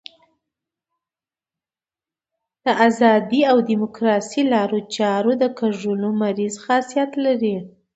د ازادۍ او ډیموکراسۍ لارو چارو د کږولو مریض خاصیت لري.